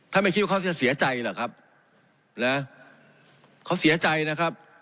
ไม่คิดว่าเขาจะเสียใจเหรอครับนะเขาเสียใจนะครับ